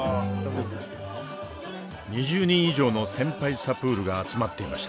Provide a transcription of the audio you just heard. ２０人以上の先輩サプールが集まっていました。